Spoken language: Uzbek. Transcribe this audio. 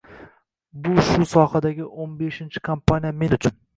Bu shu sohadagi o'n beshinchi kompaniya men uchun.